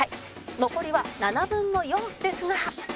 残りは７分の４ですが